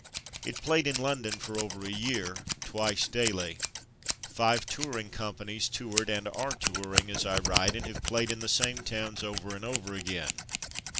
It played in London for over a year, twice daily. Five touring companies toured and are touring as I write, and have played in the same towns over and over again.